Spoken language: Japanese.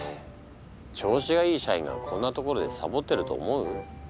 調子がいい社員がこんな所でサボってると思う？